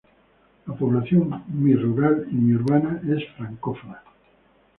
La población, mi rural y mi urbana, es francófona.